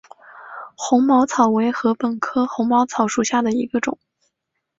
红毛草为禾本科红毛草属下的一个种。